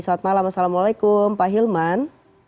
selamat malam assalamualaikum pak hilman